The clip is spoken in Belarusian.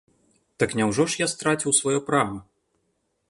Так няўжо ж я страціў сваё права?